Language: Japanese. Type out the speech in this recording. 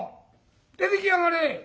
出ていきやがれ！」。